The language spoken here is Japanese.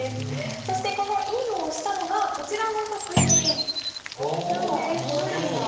そしてこの印を押したのがこちらの作品なんです。